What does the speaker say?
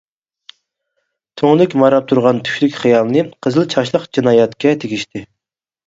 تۈڭلۈك ماراپ تۇرغان تۈكلۈك خىيالنى قىزىل چاچلىق جىنايەتكە تېگىشتى.